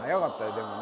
でもね